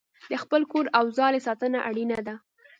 د خپل کور او ځالې ساتنه اړینه ده.